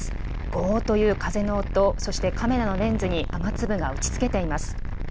ごーという風の音、そしてカメラのレンズに雨粒が打ちつけています。